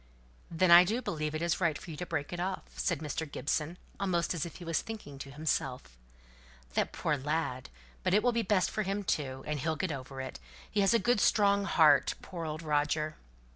"Then I do believe it's right for you to break it off," said Mr. Gibson, almost as if he were thinking to himself. "That poor poor lad! But it will be best for him too. And he'll get over it. He has a good strong heart. Poor old Roger!"